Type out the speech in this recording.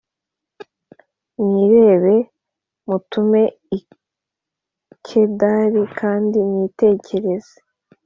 mwirebere mutume i Kedari kandi mwitegereze